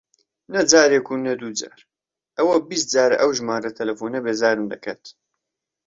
نە جارێک و نە دوو جار، ئەوە بیست جارە ئەو ژمارە تەلەفۆنە بێزارم دەکات.